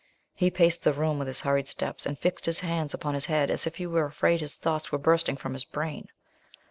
He paced the room with hurried steps, and fixed his hands upon his head, as if he were afraid his thoughts were bursting from his brain.